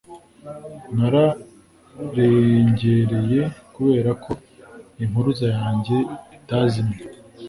Nararengereye kubera ko impuruza yanjye itazimye